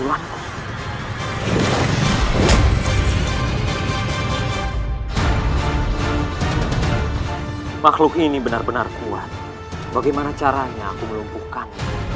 makhluk ini benar benar kuat bagaimana caranya aku melumpuhkan